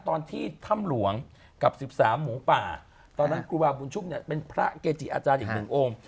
ตอนที่ถ้ำหลวงกับ๑๓หมูป่าตอนนั้นครูบาบุญชุมเนี่ยเป็นพระเกจิอาจารย์อีกหนึ่งองค์